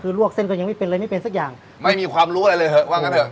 คือลวกเส้นก็ยังไม่เป็นเลยไม่เป็นสักอย่างไม่มีความรู้อะไรเลยเถอะว่างั้นเถอ